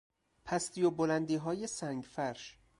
پستی و بلندیهای سنگفرش